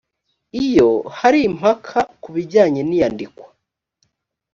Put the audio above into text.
iyo hari impaka ku bijyanye n iyandikwa